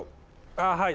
ああはい。